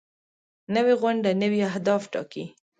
نوې غونډه نوي اهداف ټاکي